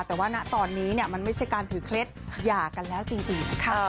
แต่ว่าณตอนนี้มันไม่ใช่การถือเคล็ดหย่ากันแล้วจริงนะคะ